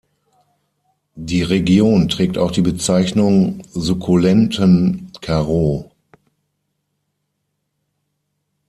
Die Region trägt auch die Bezeichnung "Sukkulentenkaroo".